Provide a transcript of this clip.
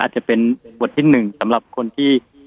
อาจจะเป็นบทที่๑สำหรับคนที่